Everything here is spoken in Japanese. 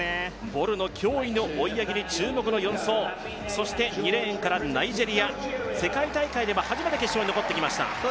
ボルの驚異の追い上げに注目の４走、そして２レーンからナイジェリア、世界大会では初めて決勝に残ってきました。